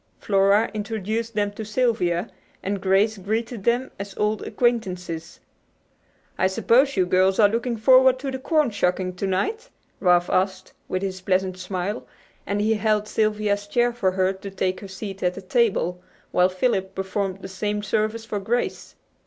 Flora introduced them to Sylvia, and Grace greeted them as old acquaintances. "I suppose you girls are looking forward to the corn shucking to night?" Ralph asked, with his pleasant smile, as he held Sylvia's chair for her to take her seat at the table, while Philip performed the same service for Grace.